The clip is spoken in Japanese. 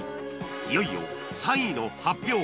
いよいよ３位の発表